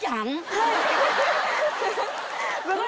はい。